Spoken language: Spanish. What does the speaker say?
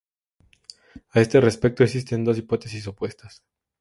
A este respecto existen dos hipótesis opuestas.